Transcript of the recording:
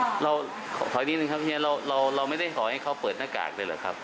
ครับเราขออีกนิดหนึ่งครับเพราะฉะนั้นเราเราไม่ได้ขอให้เขาเปิดหน้ากากเลยหรือครับ